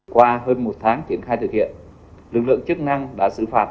qua hơn một tháng triển khai thực hiện lực lượng chức năng đã xử phạt